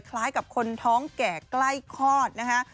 คล้ายกับคนท้องแก่ใกล้คลอดนะคะ